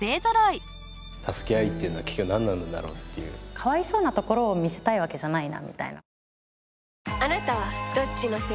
かわいそうなところを見せたいわけじゃないなみたいな。